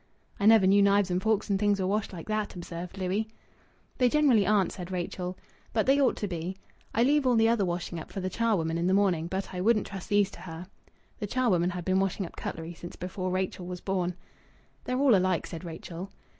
"I never knew knives and forks and things were washed like that," observed Louis. "They generally aren't," said Rachel. "But they ought to be. I leave all the other washing up for the charwoman in the morning, but I wouldn't trust these to her." (The charwoman had been washing up cutlery since before Rachel was born.) "They're all alike," said Rachel.